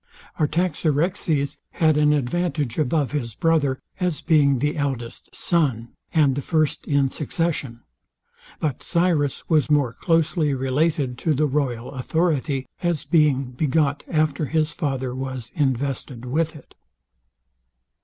Artaxerxes had an advantage above his brother, as being the eldest son, and the first in succession: But Cyrus was more closely related to the royal authority, as being begot after his father was invested with it.